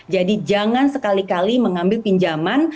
jadi jangan sekali kali mengambil pinjaman